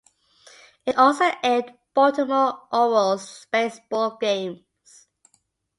It also aired Baltimore Orioles baseball games.